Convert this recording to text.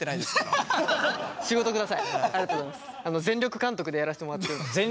全力監督でやらせてもらってるんで。